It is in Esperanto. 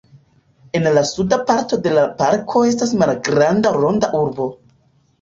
En la suda parto de la parko estas malgranda Ronda Urbo.